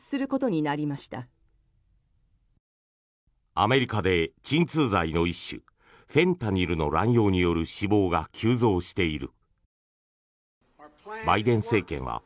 アメリカで鎮痛剤の一種フェンタニルの乱用による死亡が急増している。